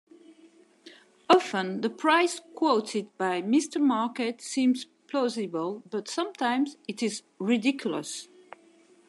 Often, the price quoted by Mr. Market seems plausible, but sometimes it is ridiculous.